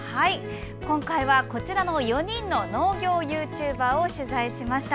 今回は、こちらの４人の農業ユーチューバーを取材しました。